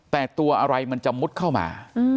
แต่ตัวอะไรมันจะมุดเข้ามา